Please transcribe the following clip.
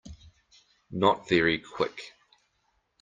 Not very Quick.